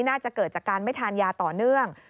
น่าจะเกิดจากการไม่ทานยาต่อเนื่อง